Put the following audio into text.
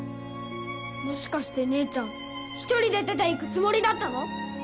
もしかして姉ちゃん一人で出て行くつもりだったの？